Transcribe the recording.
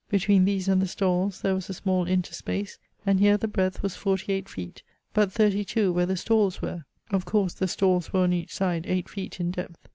Between these and the stalls there was a small interspace, and here the breadth was forty eight feet, but thirty two where the stalls were; of course, the stalls were on each side eight feet in depth.